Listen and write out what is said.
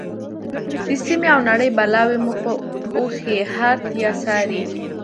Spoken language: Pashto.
د سیمې او نړۍ بلاوې مو په اوښیártیا څاري.